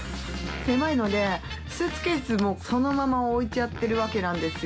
狭いのでスーツケースそのまま置いちゃってるわけなんですよ。